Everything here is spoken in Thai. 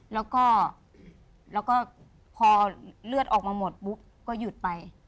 แล้วก็พอเลือดออกมาหมดปุ๊บก็หยุดไป